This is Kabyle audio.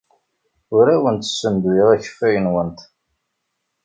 Ur awent-ssenduyeɣ akeffay-nwent.